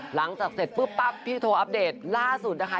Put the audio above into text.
หลังจากเสร็จปุ๊บปั๊บพี่โทรอัปเดตล่าสุดนะคะ